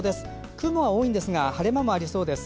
雲は多いんですが晴れ間もありそうです。